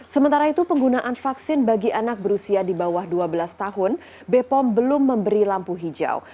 sementara itu penggunaan vaksin bagi anak berusia di bawah dua belas tahun bepom belum memberi lampu hijau